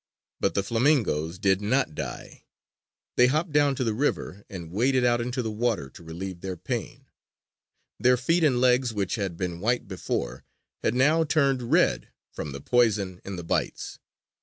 But the flamingoes did not die. They hopped down to the river and waded out into the water to relieve their pain. Their feet and legs, which had been white before, had now turned red from the poison in the bites.